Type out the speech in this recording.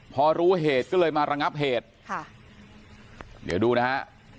พอรู้เหตุก็เลยมาระงับเหตุค่ะเดี๋ยวดูนะฮะ